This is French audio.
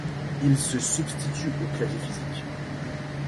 Il se substitue au clavier physique.